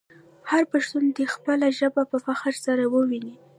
هر پښتون دې خپله ژبه په فخر سره وویې.